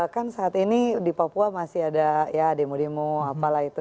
kan saat ini di papua masih ada ya demo demo apalah itu